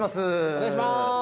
お願いします